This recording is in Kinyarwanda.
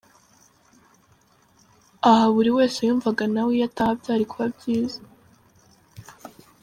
Aha buri wese yumvaga nawe iyo ataha byari kuba byiza.